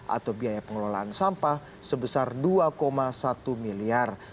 atau biaya pengelolaan sampah sebesar dua satu miliar